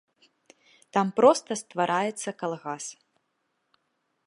Там проста ствараецца калгас.